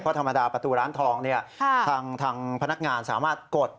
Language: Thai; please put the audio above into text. เพราะธรรมดาประตูร้านทองทางพนักงานสามารถกด